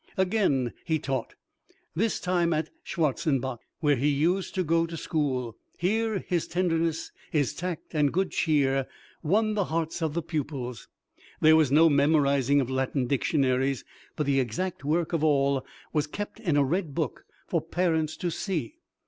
Again he taught, this time at Schwarzenbach, where he used to go to school. Here his tenderness, his tact, and good cheer won the hearts of the pupils. There was no memorizing of Latin dictionaries, but the exact work of all was kept in a "red book" for parents to see.